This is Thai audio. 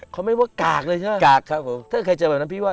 เขาหยุดเลยนะ